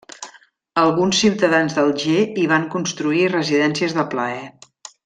Alguns ciutadans d'Alger hi van construir residències de plaer.